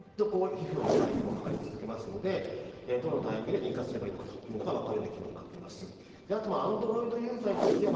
ずっと皮膚の体温を測り続けますので、どのタイミングで妊活すればいいのかというのがわかる機能になっています。